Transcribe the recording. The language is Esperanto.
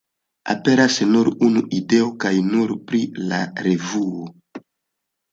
Aperas nur unu ideo, kaj nur pri la revuo.